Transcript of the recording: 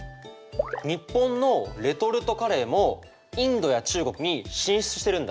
日本のレトルトカレーもインドや中国に進出してるんだって。